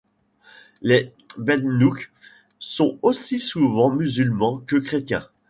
Les Baïnouks sont aussi souvent musulmans que chrétiens.